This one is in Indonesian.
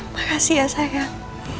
makasih ya sayang